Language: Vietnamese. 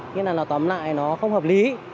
nghĩa là nó tóm lại nó không hợp lý